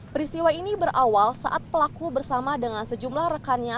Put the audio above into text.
peristiwa ini berawal saat pelaku bersama dengan sejumlah rekannya